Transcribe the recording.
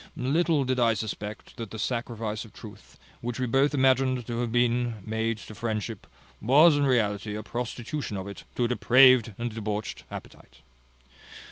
Little did I suspect that the sacrifice of truth, which we both imagined to have been made to friendship, was in reality a prostitution of it to a depraved and debauched appetite.